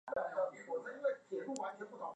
國道三號交流道